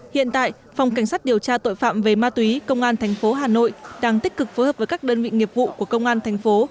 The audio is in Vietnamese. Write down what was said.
hiện tại phòng cảnh sát điều tra tội phạm về ma túy công an thành phố hà nội đang tích cực phối hợp với các đơn vị nghiệp vụ của công an thành phố